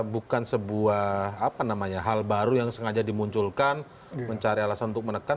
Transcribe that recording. bukan sebuah hal baru yang sengaja dimunculkan mencari alasan untuk menekan